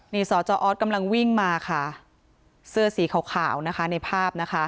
นี่สจออสกำลังวิ่งมาค่ะเสื้อสีขาวนะคะในภาพนะคะ